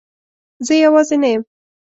زه یوازی نه یم